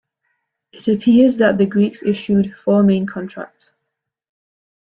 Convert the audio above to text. It appears that the Greeks issued four main contracts.